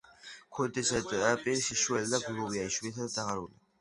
ქუდის ზედაპირი შიშველი და გლუვია, იშვიათად დაღარული.